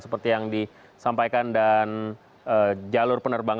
apakah itu akan menjadi penutupan